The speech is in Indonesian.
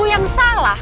kok ibu yang salah